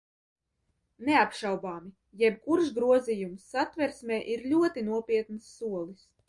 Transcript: Neapšaubāmi, jebkurš grozījums Satversmē ir ļoti nopietns solis.